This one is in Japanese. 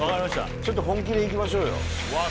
ちょっと本気でいきましょうよわあ